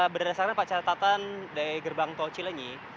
berdasarkan pacaran tatan dari gerbang toh cilenyi